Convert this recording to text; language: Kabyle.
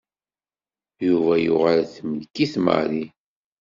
Yuba yuɣal temmlek-it Mary.